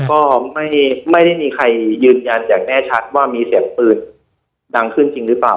ก็ไม่ได้มีใครยืนยันอย่างแน่ชัดว่ามีเสียงปืนดังขึ้นจริงหรือเปล่า